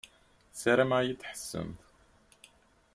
Sarameɣ ad yi-d-tḥessemt.